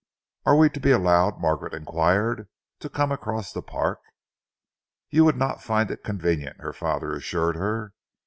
"Are we to be allowed," Margaret enquired, "to come across the park?" "You would not find it convenient," her father assured her.